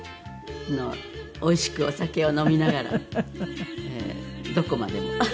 おいしくお酒を飲みながらどこまでも楽しく。